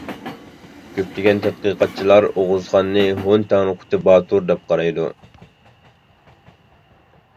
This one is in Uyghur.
كۆپلىگەن تەتقىقاتچىلار ئوغۇزخاننى ھون تەڭرىقۇتى باتۇر دەپ قارايدۇ.